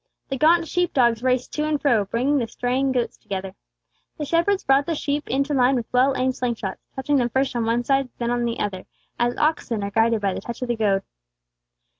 The gaunt sheep dogs raced to and fro, bringing the straying goats together. The shepherds brought the sheep into line with well aimed sling shots, touching them first on one side, and then on the other, as oxen are guided by the touch of the goad.